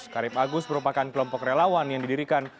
karip agus merupakan kelompok relawan yang didirikan